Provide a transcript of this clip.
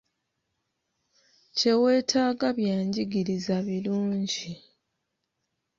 Kye wetaaga bya njigiriza birungi.